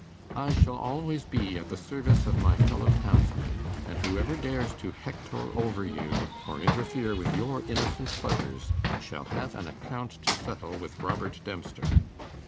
'I shall always be at the service of my fellow townsmen, and whoever dares to hector over you, or interfere with your innocent pleasures, shall have an account to settle with Robert Dempster.